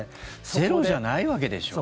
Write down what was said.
ゼロじゃないわけでしょ。